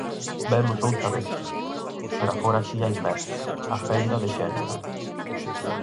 Vemos outra vez, pero agora si á inversa, a fenda de xénero.